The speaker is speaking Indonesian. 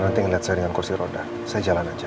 nanti ngeliat saya dengan kursi roda saya jalan aja